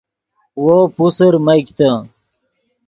وو پوسر میگتے